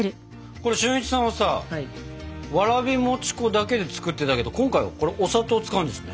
これ俊一さんはさわらび餅粉だけで作ってたけど今回はこれお砂糖を使うんですね。